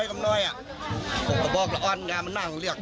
คนไม่กลเลย